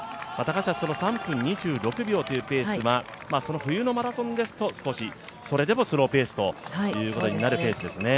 その３分２６秒というペースは冬のマラソンですと、少しそれでもスローペースというペースですね。